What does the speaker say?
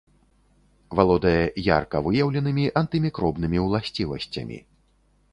Валодае ярка выяўленымі антымікробнымі ўласцівасцямі.